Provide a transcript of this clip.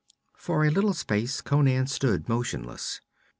For a little space Conan stood motionless.